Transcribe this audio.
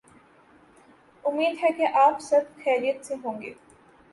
امید ہے کہ آپ سب خیریت سے ہوں گے۔